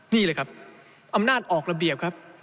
นี่เลยครับอำนาจออกระเบียบครับ